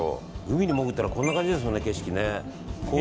海に潜ったらこんな感じでしょうね、景色。